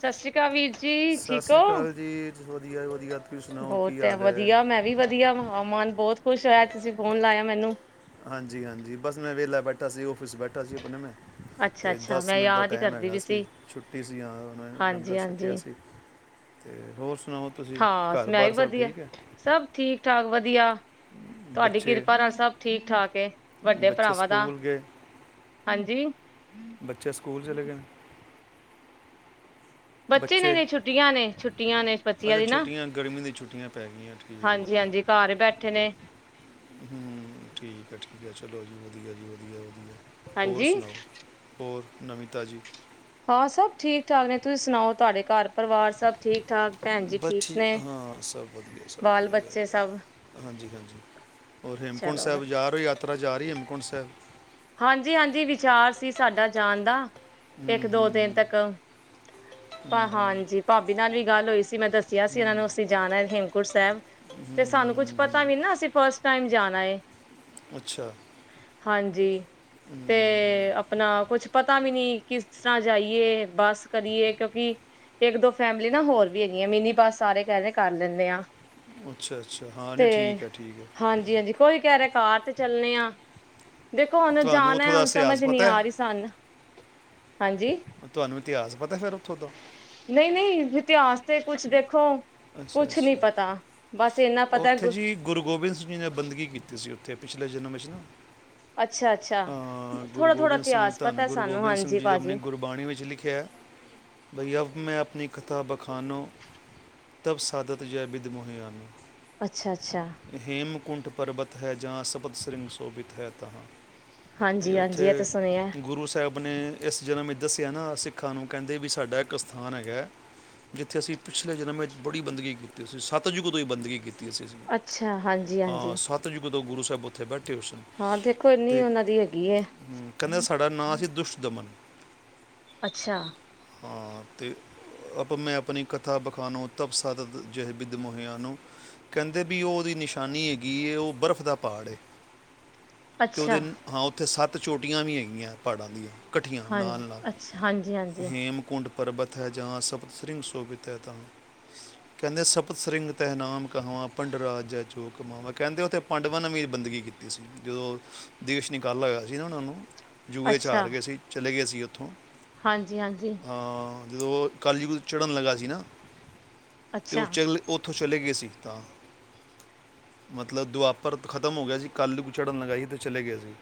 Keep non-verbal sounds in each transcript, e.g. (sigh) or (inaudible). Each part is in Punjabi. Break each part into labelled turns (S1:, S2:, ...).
S1: ਸਸ ਰੀ ਕਾਲ ਵੀਰ ਜੀ,
S2: ਸਤਿ
S1: ਠੀਕ
S2: ਸ੍ਰੀ
S1: ਹੋ।
S2: ਅਕਾਲ ਜੀ ਵਧੀਆ- ਵਧੀਆ। ਤੁਸੀਂ ਸੁਣਾਓ ਕੀ
S1: ਬਹੁਤ
S2: ਹਾਲ ਹੈ
S1: ਵਧੀਆ ਮੈਂ ਵੀ ਵਧੀਆ ਮਨ ਬਹੁਤ ਖੁਸ਼ ਹੋਇਆ ਅਜ ਤੁਸੀਂ ਫੋਨ ਲਾਇਆ ਮੈਨੂੰ
S2: ਹਾਂਜੀ- ਹਾਂਜੀ ਬਸ ਮੈਂ ਵਿਹਲਾ ਬੈਠਾ ਸੀ ਔਫਿਸ ਚ ਬੈਠਾ ਸੀ, ਆਪਣੇ ਮੈਂ
S1: ਅੱਛਾ
S2: ਅਤੇ
S1: ਅੱਛਾ
S2: ਦਸ
S1: ਮੈਂ
S2: ਮਿੰਟ ਦਾ
S1: ਯਾਦ ਹੀ
S2: ਟਾਈਮ
S1: ਕਰਦੀ
S2: ਹੈਗਾ
S1: ਵੀ
S2: ਸੀ ਛੁੱਟੀ ਸੀ ਹਾਂ ਮੈਂ ਲੰਗਰ
S1: ਹਾਂਜੀ
S2: ਛਕਿਆ
S1: ਹਾਂਜੀ
S2: ਸੀ। ਤੇ ਰੋਜ਼
S1: ਹਾਂ, ਮੈ ਵੀ ਵਧੀਆ ਸਭ ਠੀਕ- ਠਾਕ ਵਧੀਆ। ਤੁਹਾਡੀ
S2: ਬੱਚੇ
S1: ਕਿਰਪਾ ਨਾਲ ਸਭ ਠੀਕ- ਠਾਕ ਏ, ਵੱਡੇ
S2: ਬੱਚੇ
S1: ਭਰਾਵਾਂ ਦਾ
S2: ਸਕੂਲ ਗਏ
S1: ਹਾਂਜੀ।
S2: ਬੱਚੇ ਸਕੂਲ ਚਲੇ ਗਏ ਨੇ।
S1: ਨੇ
S2: ਬੱਚੇ
S1: ਨੇ ਛੁੱਟੀਆਂ ਨੇ ਛੁੱਟੀਆਂ ਨੇ ਬੱਚਿਆਂ
S2: ਅੱਛਾ
S1: ਦੀ ਨਾ
S2: ਛੁੱਟੀਆਂ ਗਰਮੀ ਦੀ ਛੁੱਟੀਆਂ ਪੈ ਗਈਆਂ, ਠੀਕ ਹੈ
S1: ਹਾਂਜੀ ਹਾਂਜੀ ਘਰ ਬੈਠੇ ਨੇ
S2: ਹੂੰ ਠੀਕ ਹੈ, ਠੀਕ ਹੈ। ਚਲੋ ਜੀ ਵਧੀਆ ਜੀ, ਵਧੀਆ-ਵਧੀਆ। ਹੋਰ
S1: ਹਾਂਜੀ
S2: ਸੁਣਾਓ, ਹੋਰ ਨਵਿਤਾ ਜੀ
S1: ਹਾਂ ਸਭ ਠੀਕ-ਠਾਕ ਨੇ, ਤੁਸੀਂ ਸੁਣਾਓ ਤੁਹਾਡੇ ਘਰ ਪਰਿਵਾਰ ਸਭ ਠੀਕ ਠਾਕ ਭੈਣ ਜੀ
S2: ਬਸ
S1: ਨੇ
S2: ਠੀਕ ਹਾਂ ਸਭ ਵਧੀਆ ਸਭ
S1: ਬਾਲ
S2: ਵਧੀਆ,
S1: ਬੱਚੇ ਸਭ
S2: ਹਾਂਜੀ- ਹਾਂਜੀ ਹੋਰ ਹੇਮਕੁੰਟ
S1: ਚਲੋ
S2: ਸਾਹਿਬ ਜਾ ਰਹੇ ਹੋ ਜਾ ਉਤਰਾ ਜਾ ਰਹੀ ਐ ਹੇਮਕੁੰਟ ਸਾਹਿਬ।
S1: ਹਾਂਜੀ-ਹਾਂਜੀ ਵਿਚਾਰ ਸੀ ਸਾਡਾ ਜਾਣ ਦਾ।
S2: ਹੂੰ
S1: ਇੱਕ ਦੋ
S2: ਹੂੰ
S1: ਦਿਨ
S2: ਹੂੰ,
S1: ਤੱਕ
S2: ਹੂੰ ਹੂੰ,
S1: ਹਾਂਜੀ ਭਾਬੀ ਨਾਲ ਵੀ ਗੱਲ ਹੋਈ ਸੀ, ਮੈਂ ਦੱਸਿਆ ਸੀ ਇਹਨਾਂ ਨੂੰ ਅਸੀਂ ਜਾਣਾ ਹੇਮਕੁੰਟ ਸਾਹਿਬ
S2: ਹੂੰ
S1: ਤੇ
S2: ਹੂੰ,
S1: ਸਾਨੂੰ ਕੁਛ
S2: ਹੂੰ,
S1: ਪਤਾ ਵੀ
S2: ਹੂੰ।
S1: ਨਾ ਅਸੀਂ ਫਸਟ ਟਾਈਮ ਜਾਣਾ ਏ।
S2: ਅੱਛਾ
S1: ਹਾਂਜੀ,
S2: ਹੂੰ,
S1: ਤੇ
S2: ਹੂੰ।
S1: ਆਪਣਾ ਕੁੱਛ ਪਤਾ ਸਮਝ ਨੀ ਕਿਸ ਤਰ੍ਹਾਂ ਜਾਈਏ ਬੱਸ ਕਰੀਏ, ਕਿਉਂਕਿ ਇੱਕ ਦੋ ਫੈਮਲੀ ਨਾ ਹੋਰ ਵੀ ਹੈਗੀ ਆ ਮੀਨੀ ਬੱਸ ਸਾਰੇ ਕਹਿ ਰਹੇ ਆ ਕਰ ਲੈਂਦੇ ਆ।
S2: ਅੱਛਾ ਅੱਛਾ ਹਾਂ
S1: ਤੇ
S2: ਨਹੀਂ ਠੀਕ ਹੈ ਠੀਕ ਹੈ
S1: ਹਾਂਜੀ- ਹਾਂਜੀ ਕੋਈ ਕਹਿ ਰਿਹਾ ਕਾਰ। ਚੱਲਣੇ ਆ ਦੇ ਕੌਣ
S2: ਤੁਹਾਨੂੰ ਉੱਥੋਂ
S1: ਜਾਣਾ
S2: ਦਾ
S1: ਹੁਣ
S2: ਇਤਿਹਾਸ
S1: ਸਮਝ ਨੀ
S2: ਪਤਾ
S1: ਆ ਰਹੀ
S2: ਹੈ
S1: ਸਨ ਹਾਂਜੀ
S2: ਤੁਹਾਨੂੰ ਇਤਿਹਾਸ ਪਤਾ ਫਿਰ ਉੱਥੋਂ ਦਾ
S1: ਨਹੀਂ ਨਹੀਂ ਜ ਸਤੇ ਕੁਛ ਦੇਖੋ
S2: ਅੱਛਾ
S1: ਕੁਛ ਨੀ
S2: ਅੱਛਾ
S1: ਪਤਾ ਬਸ ਇੰਨਾ ਪਤਾ
S2: ਉੱਥੇ
S1: ਗੁ
S2: ਜੀ ਗੁਰੂ ਗੋਬਿੰਦ ਸਿੰਘ ਜੀ ਨੇ ਬੰਦਗੀ ਕੀਤੀ ਸੀ ਅਤੇ ਪਿਛਲੇ ਜਨਮ ਚ ਨਾ
S1: ਅੱਛਾ ਅੱਛਾ
S2: ਹਾਂ ਗੁਰੂ
S1: ਥੋੜਾ ਥੋੜਾ
S2: ਗੋਬਿੰਦ ਸਿੰਘ
S1: ਇਤਿਹਾਸ
S2: ਧੰਨ
S1: ਪਤਾ
S2: ਗੁਰੂ
S1: ਸਾਨੂੰ
S2: ਗੋਬਿੰਦ ਸਿੰਘ
S1: ਹਾਂਜੀ
S2: ਜੀ ਨੇ ਆਪਣੀ
S1: ਭਾਜੀ
S2: ਗੁਰਬਾਣੀ ਵਿੱਚ ਲਿਖਿਆ ਬਈ ਅਵ ਮੈਂ ਆਪਣੀ ਕਥਾ ਬਖਾਨੋ ਤਬ ਸਾਦਤ ਜੈ ਬਿਦ ਮੁਹਿਆਨ
S1: ਅੱਛਾ ਅੱਛਾ
S2: ਕੁੁੰਠ ਪਰਵਤ ਹੈ ਜਾਂ ਸਪਤ ਸ੍ਰਿੰਗ ਸ਼ੋਭਿਤ ਹੈ ਤਾਂਹਾ
S1: ਹਾਂਜੀ ਹਾਂਜੀ ਇਹ ਤਾਂ ਸੁਣਿਆ
S2: ਆਪਣੇ ਇਸ ਜਨਮ ਵਿੱਚ ਦੱਸਿਆ ਨਾ ਸਿੱਖਾਂ ਨੂੰ ਕਹਿੰਦੇ ਵੀ ਸਾਡਾ ਇੱਕ ਸਥਾਨ ਹੈਗਾ ਜਿੱਥੇ ਅਸੀਂ ਪਿਛਲੇ ਜਨਮ ਵਿੱਚ ਬੜੀ ਬੰਦਗੀ ਕੀਤੀ ਸੀ ਸੱਤ ਯੁੱਗ ਤੋਂ ਬੰਦਗੀ ਕੀਤੀ ਸੀ ਅਸੀਂ
S1: ਅੱਛਾ ਹਾਂਜੀ
S2: ਹਾਂ
S1: ਹਾਂਜੀ
S2: ਸਤਜੁਗ ਗੁਰੂ ਸਾਹਿਬ ਉਥੇ ਬ
S1: ਹਾਂ ਦੇਖੋ ਇੰਨੀ
S2: ਤੇ
S1: ਉਹਨਾਂ ਦੀ ਹੈਗੀ ਹੈ
S2: ਕਹਿੰਦੇ ਸਾਡਾ ਨਾਮ ਸੀ ਦੁਸ਼ਟਦਮਨ
S1: ਅੱਛਾ
S2: ਹਾਂ ਅਤੇ ਆਪਾਂ ਮੈਂ ਆਪਣੀ ਕਥਾ ਵਿਖਾਨੋ ਉਤਬਸਤਤ ਜਬਿੱਦ ਮੋਹਿਆਂ ਨੂੰ ਕਹਿੰਦੇ ਵੀ ਉਹ ਉਹਦੀ ਨਿਸ਼ਾਨੀ ਹੈਗੀ ਹੈ ਉਹ ਬਰਫ਼ ਦਾ ਪਹਾੜ ਏ ਤੇ
S1: ਅੱਛਾ
S2: ਉਹਦੇ ਹਾਂ ਉੱਥੇ ਸੱਤ ਚੋਟੀਆਂ ਵੀ ਹੈਗੀਆਂ ਪਹਾੜਾਂ ਦੀਆਂ ਇਕੱਠੀਆਂ ਨਾਲ
S1: ਹਾਂਜੀ
S2: ਨਾਲ
S1: ਅੱਛਾ ਹਾਂਜੀ ਹਾਂਜੀ
S2: ਹੇਮਕੁੰਡ ਪਰਬਤ ਹੈ ਜਹਾਂ ਸਪਤਸ੍ਰਿੰ ਸ਼ੋਭਿਤ ਹੈ ਤ ਕਹਿੰਦੇ ਸਪਤਸਿੰਗ ਤਹਿਨਾਮ ਕਹਾਵਾਂ ਭੰਡਰਾ ਜੈਚੋ ਕਮਾਵ ਕਹਿੰਦੇ ਉੱਥੇ ਪਾਂਡਵਾਂ ਨੇ ਵੀ ਬੰਦਗੀ ਕੀਤੀ ਸੀ ਜਦੋਂ ਦੇਸ਼ ਨਿਕਾਲ ਹੋਇਆ ਸੀ ਨਾ ਉਹਨਾਂ ਨੂੰ ਜੂਏ ਚ ਹਾਰ
S1: ਅੱਛਾ
S2: ਗਏ ਸੀ ਚਲੇ ਗਏ ਸੀ ਉਥੋਂ
S1: ਹਾਂਜੀ ਹਾਂਜੀ
S2: ਜਦੋਂ ਕਲਯੁਗ ਚੜ੍ਹਨ ਲੱਗਾ ਸੀ ਨਾ ਤੇ ਉਹ
S1: ਅੱਛਾ
S2: ਚ ਉੱਥੋਂ ਚਲੇ ਗਏ ਸੀ ਤਾਂ ਮਤਲਬ ਦੁਆਪਰ ਖ਼ਤਮ ਹੋ ਗਿਆ ਸੀ ਕੱਲ੍ਹ ਚੜ੍ਹਨ ਲਗਾ ਸੀ ਤੇ ਚਲੇ ਗਏ ਸੀ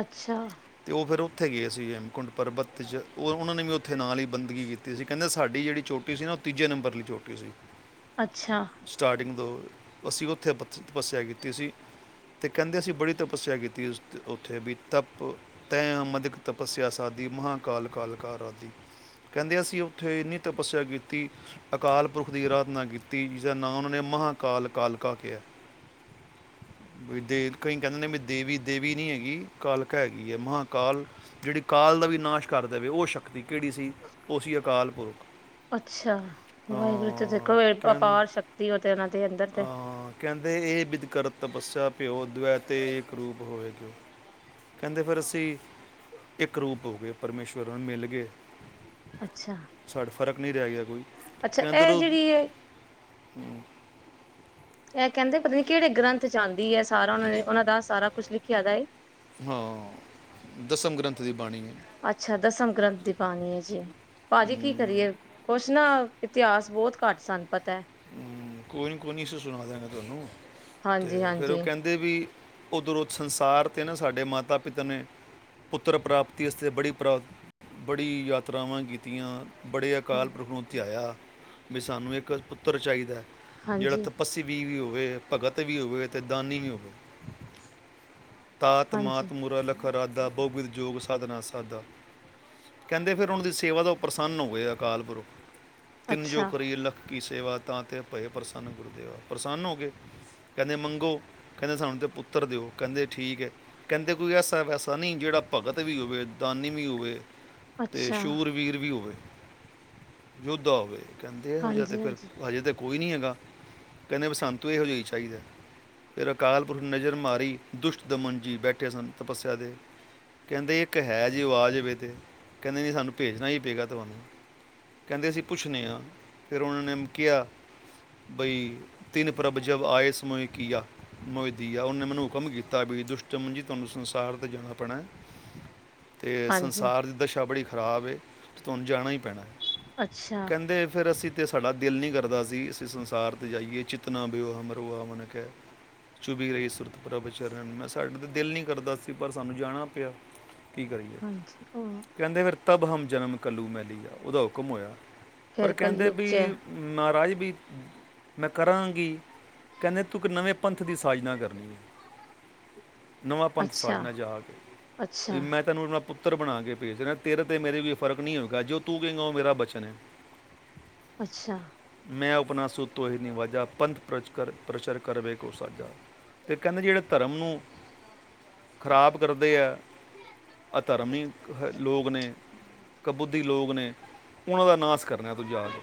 S1: ਅੱਛਾ
S2: ਤੇ ਉਹ ਫਿਰ ਉੱਥੇ ਗਏ ਸੀ ਹੇਮਕੁੰਡ ਪਰਬਤ ਚ ਉਹਨਾਂ ਨੇ ਵੀ ਉੱਥੇ ਨਾਲ ਹੀ ਬੰਦਗੀ ਕੀਤੀ ਸੀ ਕਹਿੰਦੇ ਸਾਡੀ ਜਿਹੜੀ ਚੋਟੀ ਸੀ ਨਾ ਉਹ ਤੀਜੇ ਨੰਬਰ ਲਈ ਚੋਟੀ ਠ ਜ
S1: ਅੱਛਾ
S2: ਦੋਂ ਅਸੀਂ ਉੱਥੇ ਤਪੱਸਿਆ ਕੀਤੀ ਸੀ ਅਤੇ ਕਹਿੰਦੇ ਅਸੀਂ ਬੜੀ ਤਪੱਸਿਆ ਕੀਤੀ ਉੱਥੇ ਵੀ ਤਪ ਤੈ ਮਦਿਕ ਤਪੱਸਿਆ ਸਾਧ ਮਹਾਂਕਾਲ ਕਾਲਕਾਰ ਆਦਿ ਕਹਿੰਦੇ ਅਸੀਂ ਉੱਥੇ ਇੰਨੀ ਤਪੱਸਿਆ ਕੀਤੀ ਕਾਲ ਪੁਰਖ ਦੀ ਅਰਾਧਨਾ ਕੀਤੀ, ਜਿਸਦਾ ਨਾਂ ਉਹਨਾਂ ਨੇ ਮਹਾਂਕਾਲ ਕਾਲਕਾ ਕਿਹਾ। ਵੀ, ਦੇਵ ਕਈ ਕਹਿੰਦੇ ਨੇ ਵੀ ਦੇਵੀ- ਦੇਵੀ ਨਹੀਂ ਹੈਗੀ, ਕਾਲਕਾ ਹੈਗੀ ਹੈ। ਮਹਾਂਕਾਲ ਜਿਹੜੀ ਕਾਲ ਦਾ ਵੀ ਨਾਸ਼ ਕਰ ਦੇਵੇ, ਉਹ ਸ਼ਕਤੀ। ਕਿਹੜੀ ਸੀ? ਉਹ ਸੀ ਅਕਾਲ ਪੁਰਖ।
S1: ਅੱਛਾ ਵਾਹਿਗੁਰੂ ਤੇ ਦੇਖੋ
S2: ਅਹ ਕਹਿੰ-
S1: ਅਪਾਰ ਸ਼ਕਤੀ ਉਹ ਤੇ, ਉਹਨਾਂ ਦੇ ਅੰਦਰ ਤੇ।
S2: ਅਹ ਕਹਿੰਦੇ ਇਹ ਬਿਦ ਕਰਤ ਤਪੱਸਿਆ ਪਿਓ, ਦਵੈਤੇ, ਇੱਕ ਰੂਪ ਹੋਵੇ, ਕਿਉ ਕਹਿੰਦੇ ਫਿਰ ਅਸੀਂ ਇੱਕ ਰੂਪ ਹੋ ਗਏ, ਪਰਮੇਸ਼ਵਰ ਨੂੰ ਮਿਲ ਗਏ।
S1: ਅੱਛਾ
S2: ਛਡ ਫ਼ਰਕ ਨਹੀਂ ਰਿਹਾ ਗਿਆ। ਕੋਈ
S1: ਅੱਛਾ ਇਹ
S2: ਅੰਦਰੋ ਦ
S1: ਜਿਹੜੀ ਇਹ ਕਹਿੰਦੇ ਪਤਾ ਨੀ ਕਿਹੜੇ ਗ੍ਰੰਥ ਚ ਆਂਦੀ ਹੈ, ਸਾਰਾ ਉਹਨਾਂ ਨੇ ਉਹਨਾਂ ਦਾ ਸਾਰਾ ਕੁਝ ਲਿਖਿਆ ਦਾ ਏ।
S2: ਹਾਂ ਦਸਮ ਗ੍ਰੰਥ ਦੀ ਬਾਣੀ ਹੈ
S1: ਅੱਛਾ‌। ਦਸਮ ਗ੍ਰੰਥ ਦੀ ਬਾਣੀ ਹੈ ਜੀ, ਭਾਜੀ ਕੀ
S2: ਅਮ,
S1: ਕਰੀਏ ਕੁਛ ਨਾ ਇਤਿਹਾਸ ਬਹੁਤ ਘੱਟ ਸਾਨ ਪਤਾ
S2: ਹਮ ਕੋਈ ਨਹੀਂ ਕੋਈ ਨਹੀਂੀ ਅਂ ਸੁਣਾ ਦਿਆਂਗੇ ਤੁਹਾਨੂੰ ਤੇ ਫੇਰ, ਉਹ
S1: ਹਾਂਜੀ-ਹਾਂਜੀ।
S2: ਕਹਿੰਦੇ ਵੀ ਉੱਧਰੋਂ ਸੰਸਾਰ 'ਤੇ ਨਾ ਸਾਡੇ ਮਾਤਾ ਪਿਤਾ ਨੇ ਪੁੱਤਰ ਪ੍ਰਾਪਤੀ ਆਸਤੇ ਬੜੀ ਪ੍ਰਾ, ਬੜੀ ਯਾਤਰਾਵਾਂ ਕੀਤੀਆਂ। ਬੜੇ
S1: ਹਾਂ
S2: ਅਕਾਲ ਪੁਰਖ ਨੂੰ ਧਿਆਇਆ। ਵੀ ਸਾਨੂੰ ਇੱਕ ਪੁੱ ਉੱਤਰ ਚਾਹੀਦਾ। ਜਿਹੜਾ
S1: ਹਾਂਜੀ-ਹਾਂਜੀ
S2: ਤਪੱੱਸਸੀ ਵੀ ਵੀ ਹੋ ਹੋਵੇ, ਭਗਤ ਵੀ ਹੋਵੇ ਤੇ, ਦਾਨੀ ਵੀ ਹੋਵੇ। ਤਾਤ, ਮਾਤ, ਮੂਰਲ। ਰਾਦਾ ਬਹੁਗਿਤ ਜੋੋਗ ਸਾਧਨਾ ਸਾਦਾ ਕਹਿੰਦੇ ਫਿਰ, ਉਹਨਾਂ ਦੀ ਸੇਵਾ ਤੋਂ ਪ੍ਰਸੰਨ ਹੋ ਗਏ ਅਕਾਲ ਪੁਰਖ। ਤਿੰਨ ਜੋ
S1: ਅੱਛਾ-ਅੱਛਾ
S2: ਕਰੀਏ ਲੱਖ ਕੀ। ਤੇਵਾਦ। ਤਾਂ ਤੇ, ਭਏ ਪ੍ਰਸੰਨ ਗੁਰਦੇਵ ਪ੍ਰਸੰਨ ਹੋ ਗਏ, ਕਹਿੰਦੇ ਮੰਗੋ, ਕਹਿੰਦੇ ਸਾਨੂੰ ਤਾਂ ਪੁੱਤਰ ਦਿਓ, ਕਹਿੰਦੇ ਠੀਕ ਹੈ। ਕਹਿੰਦੇ ਕੋਈ ਐਸਾ, ਵੈਸਾ ਨਹੀਂ, ਜਿਹੜਾ ਭਗਤ ਵੀ ਹੋਵੇ, ਦਾਨੀ ਵੀ ਹੋਵੇ। ਤੇ ਸੂਰਵੀਰ ਵੀ ਹੋਵੇ। ਯੋਧਾ ਹੋਵੇ। ਕਹਿੰਦੇ ਇਹੋ ਜਿਹਾ ਤੇ ਫਿਰ।
S1: ਹਾਂਜੀ-ਹਾਂਜੀ।
S2: ਹਜੇ ਤੇ। ਕੋਈ ਨਹੀਂ ਹੈਗਾ, ਕਹਿੰਦੇ ਵੀ ਸੰੰਤੂ ਇਹੋ ਜਿਹੀ ਚਾਹੀਦਾ ਫਿਰ, ਅਕਾਲ- ਪੁਰਖ ਨਜ਼ਰ ਮਾਰੀ, ਦੁਸ਼ਟ- ਦਮਨ ਜੀ, ਬੈਠੇ ਸਨ। ਤਪੱਸਿਆ 'ਤੇ ਕਹਿੰਦੇ ਇੱਕ ਹੈ ਜੀ, ਓ ਆਜਵੇ ਤੇ, ਕਹਿੰਦੇ ਨਹੀਂ ਸਾਨੂੰ ਭੇਜਣਾ ਹੀ ਪਏਗਾ ਤੁਹਾਨੂੰ, ਕਹਿੰਦੇ ਅਸੀਂ ਪੁੱਛਨੇ ਆ ਫਿਰ ਉਹਨਾਂ ਨੇ ਕਿਹਾ ਬਈ ਤਿੰਨ ਪ੍ਰਭ ਜਬ ਆਏ ਸਮ ਮੋਹੇ ਕੀਆ, ਮੋਹਿ ਦੀਆ, ਉਹਨੇ ਮੈਨੂੰ ਹੁਕਮ ਕੀਤਾ ਬਈ ਦੁਸ਼ਟਦਮਨ ਜੀ, ਤੁਹਾਨੂੰ ਸੰਸਾਰ 'ਤੇ ਜਾਣਾ ਪੈਣਾ। ਤੇ
S1: ਹਾਂਜੀ ਹਾਂਜੀ ਹਾਂਜੀ
S2: ਸੰਸਾਰ ਦੀ ਦਸ਼ਾ ਬੜੀ ਖ਼ਰਾਬ ਏ। ਤੇ ਤੁਹਾਨੂੰ ਜਾਣਾ ਹੀ ਪੈਣਾ।
S1: ਅੱਛਾ
S2: ਕਹਿੰਦੇ ਫਿਰ ਅਸੀਂ ਤੇ ਸਾਡਾ ਦਿਲ ਨਹੀਂ ਕਰਦਾ ਸੀ, ਅਸੀਂ ਸੰਸਾਰ 'ਤੇ ਜਾਈਏ, ਚਿਤਨਾ ਬਿਓਹ ਹਮਰੋ ਆਵਨ ਕਹਿ, ਚੁਭੀ ਰਹੀ ਸੁਰਤ ਪ੍ਰਭ ਚਰਨ ਮੈਂ, ਸਾਡੇ ਤਾਂ ਦਿਲ ਨਹੀਂ ਕਰਦਾ ਸੀ, ਪਰ ਸਾਨੂੰ ਜਾਣਾ ਪਿਆ। ਕੀ ਕਰੀਏ,
S1: ਹਾਂਜੀ ਉਹ
S2: ਕਹਿੰਦੇ ਫਿਰ। ਤਬ ਹਮ ਜਨਮ ਕੱਲੂ ਮੈ ਲਈ ਗਿਆ ਉਹਦਾ ਹੁਕਮ ਹੋਇਆ। ਪਰ
S1: ਫੇਰ
S2: ਕਹਿੰਦੇ
S1: ਕਲਯੁੱਗ ਚ ਐ
S2: ਵੀ ਮਹਾਰਾਜ ਬੀ, ਮੈਂ ਕਰਾਂਗੀ ਕਹਿੰਦੇ ਤੂੰ ਕੀ ਨਵੇਂ ਪੰਥ ਦੀ ਸਾਜਨਾ ਕਰਨੀ ਏ ਨਵਾਂ ਪੰਥ ਸਾਜਨਾ, ਜਾ ਕੇ ਤੇ ਮੈਂ
S1: ਅੱਛਾ-ਅੱਛਾ-ਅੱਛਾ-ਅੱਛਾ-ਅੱਛਾ।
S2: ਤੈਨੂੰ ਰੱਬ ਪੁੱਤਰ ਬਣਾ ਕੇ ਭੇਜ ਰਿਹਾਂ, ਤੇਰੇ ਤੇ ਮੇਰੇ ਵਿ ਫ਼ਰਕ ਨਈ ਹੋਵੇਗਾ ਜੇ ਤੂੰ ਕਹਿੰਗਾ ਉਹ ਮੇਰਾ ਬਚਨ ਐ।
S1: ਅੱਛਾ।
S2: ਮੈਂ ਉਪਨਾ ਸੁ ਤੋਂਹੇ ਨਿਵਾਜਾ, ਪੰਥ ਪ੍ਰਚ ਪ੍ਰਚਰ ਕਰਵੇ ਕੋ ਸਾਜਾ ਤੇ ਕਹਿੰਦੇ ਜਿਹੜੇ ਧਰਮ ਨੂੰ ਖਰਾਬ ਕਰਦੇ ਹੈ ਅ ਧਰਮ ਹੀ ਲੋਕ ਨੇ, ਕਬੁਧੀ ਲੋਕ ਨੇ, ਉਹਨਾਂ ਦਾ ਨਾਸ ਕਰਨਾ ਤੂ ਜਾ ਕੇ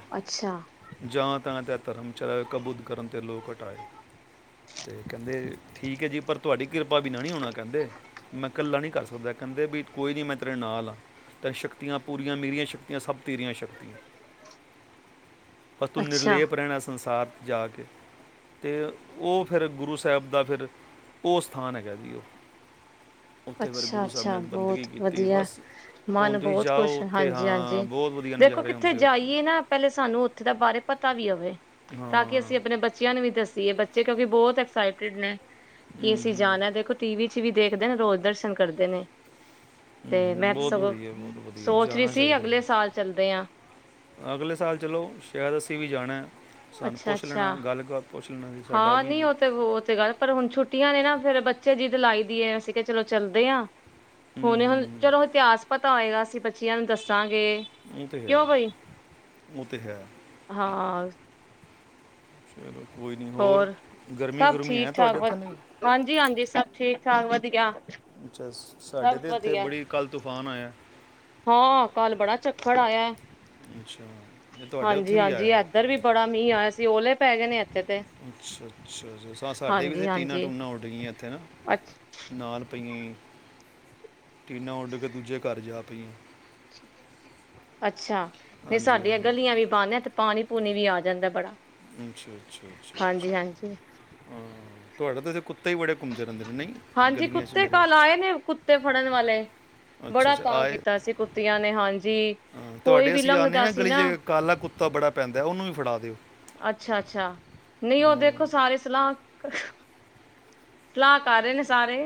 S2: ਜਾਂ ਤਾਂ ਤ ਧਰਮ ਚਲਾ ਕਬੂਤ ਕਰਮ ਤ੍ਰਿਲੋਕ ਹਟਾਏ, ਤੇ ਕਹਿੰਦੇ ਠੀਕ ਹੈ ਜੀ ਪਰ ਤੁਹਾਡੀ ਕਿਰਪਾ ਬਿਨਾਂ ਨਹੀਂ ਹੋਣਾ, ਕਹਿੰਦੇ ਮੈਂ ਇਕੱਲਾ ਨਹੀਂ ਕਰ ਸਕਦਾ ਕਹਿੰਦੇ ਵੀ ਕੋਈ ਨਹੀਂ ਮੈਂ ਤੇਰੇ ਨਾਲ ਹਾਂ ਤ ਸ਼ਕਤੀਆਂ ਪੂਰੀਆਂ ਮੇਰੀਆਂ ਸ਼ਕਤੀਆਂ ਸਭ ਤੇਰੀਆਂ ਸ਼ਕਤੀਆਂ ਪਰ ਤੁ ਨਿਰਲੇਪ ਰਹਿਣਾ ਸੰਸਾਰ ਜਾ ਕੇ, ਤੇ ਉਹ ਫਿਰ ਗੁਰੂ ਸਾਹਿਬ ਦਾ ਫਿਰ ਉਹ ਸਥਾਨ ਹੈਗਾ ਜੀ ਉਹ ਉੱਥੇ ਫਿਰ
S1: ਅੱਛਾ
S2: ਗੁਰੂ ਸਾਹਿਬ ਨੇ
S1: ਅੱਛਾ
S2: ਬੰਦਗੀ
S1: ਬਹੁਤ
S2: ਕੀਤੀ
S1: ਵਧੀਆ
S2: ਬਸ ਹੁਣ
S1: ਮਨ
S2: ਤੁਸੀਂ
S1: ਬਹੁਤ
S2: ਜਾਓ
S1: ਖੁਸ਼ ਏ,
S2: ਉੱਥੇ
S1: ਹਾਂਜੀ
S2: ਹਾਂ
S1: ਹਾਂਜੀ
S2: ਬਹੁਤ ਵਧੀਆ
S1: ਦੇਖੋ
S2: ਨਜ਼ਾਰੇ
S1: ਕਿੱਥੇ
S2: ਹੁੰਦੇ ਉੱਥੇ
S1: ਜਾਈਏ ਨਾ ਪਹਿਲੇ ਸਾਨੂੰ ਉੇਥੇ ਦੇ ਬਾਰੇ ਪਤਾ ਵੀ ਹੋਵੇ
S2: ਹਾਂ
S1: ਤਾਂ ਕਿ
S2: ਹਮ,
S1: ਅਸੀਂ ਆਪਣੇ ਬੱਚਿਆਂ ਨੂੰ ਵੀ ਦਸੀਏ ਬੱਚੇ ਕਿਉਂਕਿ ਬਹੁਤ ਐਕਸਾਈਟਿਡ ਨੇ ਕੀ ਅਸੀਂ
S2: ਹਮ,
S1: ਜਾਣਾ ਐ, ਦੇਖੋ ਟੀ ਵੀ ਟੀ ਵੀ ਦੇਖਦੇ ਨੇ ਰੋਜ਼ ਦਰਸ਼ਨ ਕਰਦੇ ਨੇ ਤੇ ਮੈਂ
S2: ਬਹੁਤ
S1: ਸਗੋਂ
S2: ਵਧੀਆ ਬਹੁਤ ਵਧੀਆ
S1: ਸੋਚ ਰਹੀ
S2: ਜਾਣਾ
S1: ਸੀ
S2: ਚਾਹੀਦਾ
S1: ਅਗਲੇ
S2: ਹੈ,
S1: ਸਾਲ ਚੱਲਦੇ ਆ
S2: ਅਗਲੇ ਸਾਲ ਚਲੋ ਸ਼ਾਇਦ ਅਸੀਂ ਵੀ ਜਾਣਾ ਐ - ਸਾਨੂੰ
S1: ਅੱਛਾ
S2: ਪੁੱਛ ਲੈਣਾ
S1: ਅੱਛਾ
S2: ਗੱਲ ਪੁੱਛ ਲੈਣਾ ਜੀ ਸਾਡਾ
S1: ਹਾਂ
S2: ਵੀ
S1: ਨਹੀਂ
S2: ਹਮ,
S1: ਉਹ ਤੇ ਉਹ ਤੇ ਗੱਲ ਐ, ਪਰ ਹੁਣ ਛੁੱਟੀਆਂ ਨੇ ਨਾ ਫਿਰ ਬੱਚੇ ਜਿਦ ਲਾਈ ਅਸੀਂ ਕਿਹਾ ਚਲੋ ਚੱਲਦੇ ਹਾਂ
S2: ਹਮ,
S1: ਹੁਣੇ ਹੁਣ ਚਲੋ
S2: ਹਮ,
S1: ਇਤਿਹਾਸ ਪਤਾ ਹੋਏਗਾ ਅਸੀਂ ਬੱਚੀਆਂ ਨੂੰ ਦੱਸਾਂਗੇ ਕੇ,
S2: ਉਹ ਤੇ ਹੈ
S1: ਕਿਉਂ ਬਈ
S2: ਉਹ ਤੇ ਹੈ
S1: ਹਾਂ
S2: ਚਲੋ ਕੋਈ ਨਹੀਂ
S1: ਹੋਰ
S2: ਗਰਮੀ
S1: ਸਭ
S2: ਗਰਮੀ
S1: ਠੀਕ
S2: ਹੈ
S1: ਠਾਕ
S2: ਤੁਹਾਡੇ
S1: ਬਸ,
S2: ਇੱਥੇ ਨਹੀਂ
S1: ਹਾਂਜੀ ਹਾਂਜੀ ਸਭ ਠੀਕ ਸਮਾਨ ਵਧ ਗਿਆ।
S2: ਅੱਛਾ ਸਾਡੇ ਤੇ ਇੱਥੇ, ਬੜੀ ਕੱਲ ਤੂਫਾਨ ਆਇਆ
S1: ਕਲ ਬੜਾ ਚੱਖੜ ਆਇਆ ਐ।
S2: ਅੱਛਾ ਇਹ ਤੁਹਾਡੇ
S1: ਹਾਂਜੀ
S2: ਉੱਥੇ ਵੀ
S1: ਹਾਂਜੀ
S2: ਆਇਆ
S1: ਏਧਰ ਵੀ ਬੜਾ ਮੀਂਹ ਆਇਆ ਸੀ ਓਲੇ ਪੈ ਗਏ ਨੇ-ਏ
S2: ਅੱਛ ਅੱਛ ਸ ਸਾਡੇ ਵੀ
S1: ਹਾਂਜੀ
S2: ਇਥ ਟੀਨਾਂ
S1: ਹਾਂਜੀ
S2: ਟੂਨਾਂ ਉੱਡ ਗਈਆਂ ਇੱਥੇ ਨਾ
S1: ਅੱਛ
S2: ਨਾਲ ਪਈ ਟੀਨਾ ਉੱਡ ਕੇ ਦੂਜੇ ਘਰ ਜਾ ਪਈਆਂ
S1: ਅੱਛਾ ਨਹੀਂ
S2: ਹਾਂਜੀ
S1: ਸਾਡੀਆਂ
S2: ਹਾਂਜੀ
S1: ਗਲੀਆਂ ਵੀ ਬਾਹ ਤੇ (inaudible) ਪਾਨੀ ਪੂਨੀ ਵੀ ਆ ਜਾਂਦਾ ਬੜਾ
S2: ਅੱਛਾ ਅੱਛਾ ਅੱਛਾ
S1: ਹਾਂਜੀ ਹਾਂਜੀ
S2: ਅੱਛਾ ਤੁਹਾਡਾ ਤਾਂ ਇ ਕੁ
S1: ਹਾਂਜੀ ਕੁੱਤੇ
S2: ਮੇਰੇ
S1: ਕੱਲ ਆਏ ਨੇ ਕੁੱਤੇ ਫੜਨ ਵਾਲੇ
S2: ਅੱਛਾ
S1: ਬੜਾ
S2: ਅੱਛਾ
S1: ਤੰਗ
S2: ਆਏ
S1: ਕੀਤਾ ਸੀ ਕੁੱ ਕੁੱਤਿਆ ਨੇ ਹਾਂਜ ਜੀ
S2: ਹਾਂ,
S1: ਕੋਈ
S2: ਤੁਹਾਡੇ
S1: ਵੀ
S2: ਅਸੀਂ ਆਨੇ
S1: ਲੰਘਦਾ ਸੀ
S2: ਗਲੀ
S1: ਨਾ
S2: 'ਚ ਕਾਲਾ ਕੁੱਤਾ ਬੜਾ ਪੈਂਦਾ ਹੈ, ਉਹਨੂੰ ਵੀ ਫੜਾ ਦਿਓ
S1: ਅੱਛਾ ਅੱਛਾ ਨਹੀਂ ਉਹ ਦੇਖੋ
S2: ਹਮ,
S1: ਸਾਰੇ ਸਲਾਹ (inaudible) ਸਲਾਹ ਕਰ ਰਏ ਨੇ ਸਾਰੇ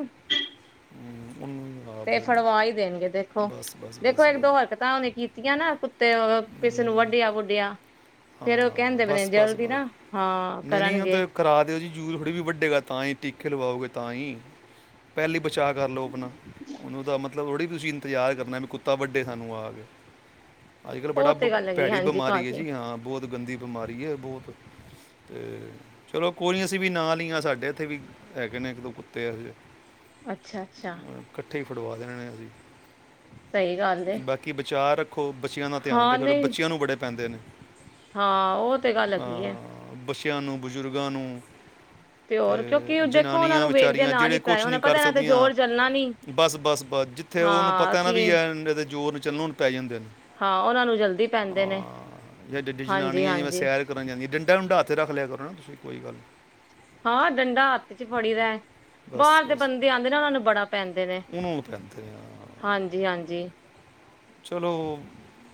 S2: ਹਮ, ਉਹਨੂੰ ਵੀ ਆ
S1: ਤੇ
S2: ਬਸ
S1: ਫੜਵਾ ਹੀ ਦੇਨਗੇ ਦੇਖੋ
S2: ਬਸ ਬਸ
S1: ਦੇਖੋ
S2: ਬਸ
S1: ਇੱਕ
S2: ਬਸ
S1: ਦੋ ਹਰਕਤਾਂ ਉਹਨੇ ਕੀਤੀਆਂ ਨਾ ਕੁ ਤੇ ਉਹ ਕਿਸੇ ਨੂੰ
S2: ਹਮ,
S1: ਵੱਢਿਆ ਵੁੱਡਿਆ
S2: ਹਾਂ ਹਾਂ ਬਸ ਬਸ ਬਸ
S1: ਹਾਂ
S2: ਨਹੀਂ ਨਹੀਂ ਉਹ
S1: ਕਰਨਗੇ
S2: ਤੇ ਕਰਾ ਦਿਓ ਜੀ ਜ਼ਰੂਰੀ ਥੋੜੀ ਵੀ ਵੱਡੇਗਾ ਤਾਂ ਹੀ ਟੀਕੇ ਲਵਾਓਗੇ ਤਾਂ ਹੀ ਪਹਿਲੀ ਬੱ ਚਾ ਕਰ ਲਓ ਆਪਨਾ ਹੁਨ ੳਦਾ ਮਤਲਬ ਥੋੜ੍ਹੀ ਵੀ ਤੁਸੀਂ ਇੰਤਜ਼ਾਰ ਕਰਨਾ ਵੀ ਕੁੱਤਾ ਵੱਡ ਬਡੇ ਸਾਨੂੰ ਆ ਗਏ (inaudible) ਅੱਜ ਕੱਲ੍ਹ ਬੜਾ
S1: ਉਹ ਤੇ ਗੱਲ ਹੈਗੀ
S2: ਭੈੜੀ
S1: ਹਾਂਜੀ
S2: ਬਿਮਾਰੀ ਏ
S1: ਭਾਜੀ
S2: ਜੀ ਹਾਂ ਬਹੁਤ ਗੰਦੀ ਬਿਮਾਰੀ ਏ ਬਹੁਤ ਤੇ ਚਲੋ ਕੋਈ ਨੀ ਅਸੀਂ ਵੀ ਨਾਲ ਈਆਂ ਸਾਡ ਇੱਥੇ ਵੀ ਹੈਗੇ ਨੇ ਇੱਕ ਦੋ ਕੁੱ ਅਤੇ ਹ (inaudible)
S1: ਅੱਛਾ ਅੱਛਾ
S2: ਇਥੇ ਹੀ ਫੜਵਾ ਦੇਣੇ ਨੇ ਅਸੀਂ
S1: ਸਹੀ ਗੱਲ ਏ
S2: ਬਾਕੀ ਬਚਾਅ ਰੱਖੋ ਬੱਚਿਆਂ ਦਾ ਧਿਆਨ ਤੇ
S1: ਹਾਂ
S2: ਕਰੋ
S1: ਨਹੀਂ
S2: ਬੱਚਿਆਂ ਨੂੰ ਬੜੇ ਪੈਂਦੇ ਨੇ
S1: ਹਾਂ ਉਹ ਤੇ ਗੱਲ ਹਗੀ ਏ
S2: ਅਹ ਬੱਚਿਆਂ ਨੂੰ ਬਜ਼ੁਰਗਾਂ ਨੂੰ ਤੇ
S1: ਹੋਰ ਕਿਉਂਕਿ ਦੇਖੋ ਉਹਨਾਂ
S2: ਜਨਾਨੀਆਂ
S1: ਨੂੰ ਵੇਖਦੇ
S2: ਵਿਚਾਰੀਆਂ
S1: ਨਾਲ
S2: ਜਿਹੜੇ
S1: ਹੀ ਪੈ
S2: ਕੁਛ ਨਹੀਂ
S1: ਉਹਨਾਂ
S2: (unintelligible) ਕਰ
S1: ਪਤਾ ਇਹਨਾਂ ਤੇ
S2: ਸਕਦੀਆਂ
S1: ਜ਼ੋਰ ਚੱਲਣਾ ਨੀ
S2: ਬਸ ਬਸ ਬਸ ਜਿੱਥੇ ਉਹਨੂੰ
S1: ਹਾਂ
S2: ਪਤਾ ਨਾ ਵੀ
S1: ਅਸੀਂ
S2: ਇਹਦੇ ਜ਼ੋਰ ਚੱਲਣ ਪੈ ਜਾਂਦੇ ਨੇ (inaudible)
S1: ਹਾਂ ਉਨਾਂ ਨੂੰ ਜਲਦੀ ਪੈਂਦੇ ਨੇ
S2: ਵਡੀ
S1: ਹਾਂਜੀ
S2: ਜਨਾਨੀਆਂ ਜਿਵੇ
S1: ਹਾਂਜੀ
S2: ਸੈਰ ਕਰਨ ਡੰਡਾ ਢੂੰਡਾ ਹਥ ਰੱਖ ਲਿਆ ਕਰੋ ਨਾ ਤੁਸੀ ਕੋਈ ਗੱਲ ਨਹੀਂ
S1: ਹਾਂ ਡੰਡਾ ਹੱਥ ਚ ਫੜੀ ਦਾ
S2: ਬਸ
S1: ਬਾਹਰ ਦੇ
S2: ਬਸ
S1: ਬੰਦੇ ਆਉਂਦੇ ਨਾ ਉਹਨਾਂ ਨੂੰ ਬੜਾ ਪੈਂਦੇ ਨੇ
S2: ਉਹਨੂੰ ਨੂੰ ਪੈਂਦੇ ਨੇ ਹਾਂ।
S1: ਹਾਂਜੀ ਹਾਂਜੀ
S2: ਚਲੋ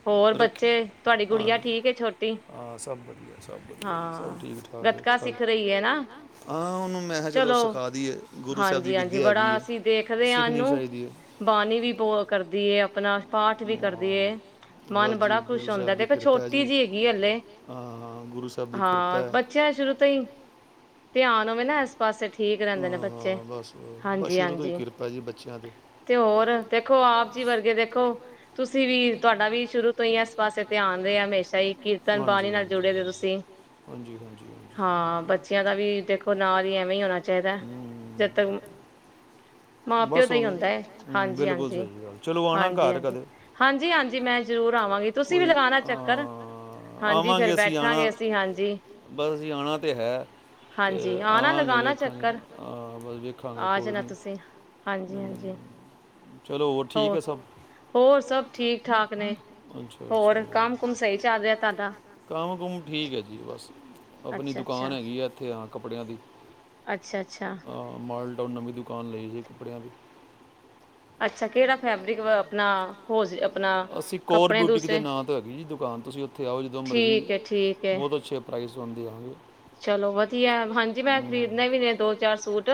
S1: ਹੋਰ
S2: ਰੱਖੀ
S1: ਬੱਚੇ ਤੁਹਾਡੀ
S2: ਹਾਂ
S1: ਗੁੜੀਆਂ ਠੀਕ ਠੀਕ ਹੈ ਛੋਟੀ
S2: ਹਾਂ ਸਭ ਵਧੀਆ ਸਭ ਵਧੀਆ ਜੀ ਸਭ
S1: ਹਾਂ
S2: ਠੀਕ ਠਾਕ ਹੈ
S1: ਗਤਕਾ
S2: ਚਲ
S1: ਸਿੱਖ ਰਹੀ ਹੈ ਨਾ
S2: ਹਾਂ ਉਹਨੂੰ ਮੈਂ ਕਿਹਾ
S1: ਚਲੋ
S2: ਸਿਖਾ ਦਈਏ ਗੁਰੂ ਸਾਹਿਬ ਦੀ
S1: ਹਾਂਜੀ ਹਾਂਜੀ
S2: ਵਿੱਦਿਆ
S1: ਬੜਾ
S2: ਹੈਗੀ ਹੈ
S1: ਅਸੀਂ ਦੇਖਦੇ ਹਾਂ
S2: ਸਿੱਖਣੀ
S1: ਇਹਨੂੰ
S2: ਚਾਹੀਦੀ ਹੈ
S1: ਬਾਣੀ ਵੀ ਬਹੁਤ ਕਰਦੀ ਹੈ ਆਪਣਾ ਪਾਠ ਵੀ ਕਰਦੀ ਹੈ
S2: ਹਾਂ, ਵਾਹ
S1: ਮਨ
S2: ਜੀ
S1: ਬੜਾ
S2: ਗੁਰੂ
S1: ਖੁਸ਼ ਹੁੰਦਾ
S2: ਸਾਹਿਬ ਦੀ
S1: ਦੇਖੋ
S2: ਕਿਰਪਾ ਹੈ
S1: ਛੋਟੀ
S2: ਜੀ
S1: ਜਿਹੀ ਹੱਲਲੇ
S2: ਹਾਂ ਗੁਰੂ ਸਾਹਿਬ ਦੀ ਕਿਰਪਾ
S1: ਹਾਂ
S2: ਹੈ
S1: ਬੱਚਿਆਂ ਸ਼ੁਰੂ ਤੋਂ ਹੀ ਧਿਆਨ ਮ ਨਾ (unintelligible) ਪਾਸੇ ਠੀਕ ਰਹਿੰਦੇ ਨੇ ਬੱਚੇ
S2: ਹਾਂ, ਬਸ ਬਸ
S1: ਹਾਂਜੀ
S2: ਸ਼ੁਰੂ ਤੋਂ ਹੀ
S1: ਹਾਂਜੀ
S2: ਕਿਰਪਾ ਜੀ ਬੱਚਿਆਂ
S1: ਤੇ ਹੋਰ ਦੇਖੋ ਆਪ ਜੀ ਵਰਗੇ ਦੇਖੋ ਤੁਸੀਂ ਵੀ ਵੀ ਸ਼ੁਰੂ ਤੋਂ ਹੀ ਇਸ ਪਾਸੇ ਧਿਆਨ ਦੇ ਆ ਹਮੇਸ਼ਾ ਹੀ ਕੀਰਤਨ ਬਾਣੀ
S2: ਹਾਂਜੀ,
S1: ਨਾਲ
S2: ਹਾਂਜੀ।
S1: ਜੁੜੇ ਹੋ ਤੁਸੀਂ
S2: ਹਾਂਜੀ ਹਾਂਜੀ ਹਾਂਜੀ
S1: ਹਾਂ ਬੱਚਿਆਂ ਦਾ ਵੀ ਦੇਖੋ ਨਾ ਹੀ ਐਵੇਂ ਹੀ ਹੋਣਾ ਚਾਹੀਦਾ ਜਦ
S2: ਚਾਹੀਦਾ ਹਮ,
S1: ਤੱਕ ਮਾਂ ਪਿਓ
S2: ਬਸ
S1: ਦਾ ਹੀ
S2: ਹੁਣ
S1: ਹੁੰਦਾ ਹੈ
S2: ਹਮ,
S1: ਹਾਂਜੀ
S2: ਬਿਲਕੁਲ
S1: ਹਾਂਜੀ
S2: ਸਹੀ ਗੱਲ ਚਲੋ ਆਣਾ
S1: ਹਾਂਜੀ
S2: ਘਰ
S1: ਹਾਂਜੀ
S2: ਕਦੇ
S1: ਹਾਂਜੀ ਹਾਂਜੀ ਮੈਂ ਜ਼ਰੂਰ ਆਵਾਂਗੀ ਤੁਸੀਂ ਵੀ
S2: ਕੋਈ
S1: ਲਗਾਉਣਾ ਚੱਕਰ
S2: ਅਹ,
S1: ਹਾਂਜੀ ਫੇਰ
S2: ਆਵਾਂਗੇ ਅਸੀਂ ਆਣਾ
S1: ਬੈਠਾਂਗੇ ਅਸੀਂ ਹਾਂਜੀ
S2: ਬਸ ਅਸੀਂ ਆਣਾ ਤੇ ਹੈ ਤੇ
S1: ਹਾਂਜੀ
S2: ਆਵਾਂਗੇ ਜ਼ਰੂਰ
S1: ਆ ਨਾ
S2: ਆਵਾਂਗੇ
S1: ਲਗਾਣਾ
S2: ਵੇਖਾਂਗੇ
S1: ਚੱਕਰ
S2: ਹਾਂ, ਬਸ ਵੇਖਾਂਗੇ
S1: ਆ
S2: ਕੋਈ
S1: ਜਾਣਾ
S2: ਨਹੀਂ
S1: ਤੁਸੀਂ
S2: ਹਾਂਜੀ
S1: ਹਾਂਜੀ ਹਾਂਜੀ ਹੋਰ ਹੋਰ ਸਭ ਠੀਕ ਠਾਕ ਨੇ
S2: ਅਛਾ
S1: ਹੋਰ
S2: ਅੱ
S1: ਕੰਮ ਕੁਮ ਸਹੀ ਚੱਲ ਰਿਹਾ ਤੁਹਾਡਾ
S2: ਕੰਮ ਕੁਮ ਠੀਕ ਹੈ ਜੀ ਬਸ ਆਪਣੀ
S1: ਅੱਛਾ
S2: ਦੁਕਾਨ
S1: ਅੱਛਾ
S2: ਹੈਗੀ ਆ ਇੱਥੇ ਆ (unintelligible) ਕੱਪੜਿਆਂ ਦੀ
S1: ਅੱਛਾ ਅੱਛਾ
S2: ਹਾਂ, ਮਾਲ ਨਵੀਂ ਦੁਕਾਨ ਲਈ ਸੀ ਕੱਪੜਿਆਂ ਦੀ
S1: ਅੱਛਾ ਕਿਹੜਾ ਫੈਬਰਿਕ ਵ ਆਪਣਾ ਹੋ ਆਪਣਾ
S2: ਅਸੀਂ ਕੋਰ
S1: ਕੱਪੜੇ
S2: ਬਿਊਟੀਕ ਦੇ
S1: ਦੂਸਰੇ
S2: ਨਾਂ ਤੇ ਹੈਗੀ ਜੀ ਦੁਕਾਨ ਤੁਸੀਂ ਉੱਥੇ ਆਓ ਜਦੋਂ ਮਰਜ਼ੀ
S1: ਠੀਕ ਹੈ ਠੀਕ ਹੈ
S2: ਬਹੁਤ ਅੱਛੇ ਪ੍ਰਾਈਜ਼ ਦੀਾਂਗੇ
S1: ਚਲੋ ਵਧੀਆ ਹਾਂਜੀ ਮੈਂ ਖਰੀਦਣੇ ਵੀ
S2: (unintelligible)
S1: ਨੇ ਦੋ ਚਾਰ ਸੂਟ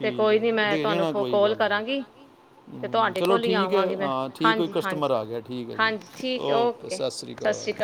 S1: ਤੇ ਕੋਈ ਨੀ ਮੈਂ
S2: ਦੇ
S1: ਤੁਹਾਨੂੰ
S2: ਜਾਣਾ
S1: ਫੋ
S2: ਕੋਈ
S1: ਕੋਲ
S2: ਗੱਲ
S1: ਕਰਾਂਗੀ ਤੇ
S2: ਹਮ
S1: ਤੁਹਾਡੇ
S2: ਚਲੋ
S1: ਕੋਲ ਹੀ
S2: ਠੀਕ ਹੈ
S1: ਆਵਾਂਗੀ ਮੈਂ
S2: ਹ ਠੀਕ ਕੋਈ
S1: ਹਾਂਜੀ
S2: ਕਸਟਮਰ
S1: ਹਾਂਜੀ
S2: ਆ ਗਿਆ ਠੀਕ ਹੈ ਜੀ ਓਕੇ ਸਤਿ ਸ਼੍ਰੀ ਅਕਾਲ